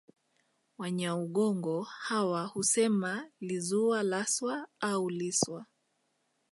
Wanyaugogo hawa husema lizuwa laswa au liswa